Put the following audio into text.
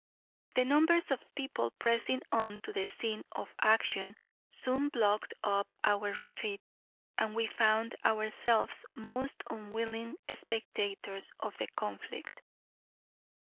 The numbers of people pressing on to the scene of action soon blocked up our retreat, and we found ourselves most unwilling spectators of the conflict.